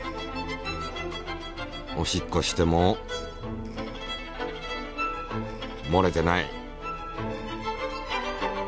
おしっこしてももれてない。